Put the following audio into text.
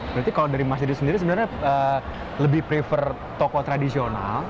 berarti kalau dari mas yudi sendiri sebenarnya lebih prefer toko tradisional